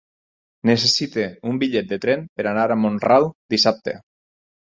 Necessito un bitllet de tren per anar a Mont-ral dissabte.